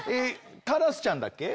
カラスちゃんだっけ？